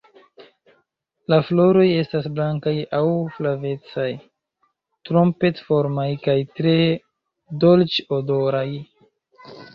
La floroj estas blankaj aŭ flavecaj, trompet-formaj kaj tre dolĉ-odoraj.